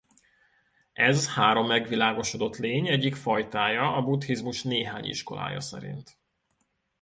Ez három megvilágosodott lény egyik fajtája a buddhizmus néhány iskolája szerint.